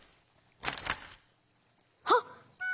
はっ！